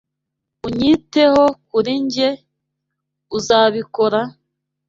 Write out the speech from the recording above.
Unyiteho kuri njye, uzabikora?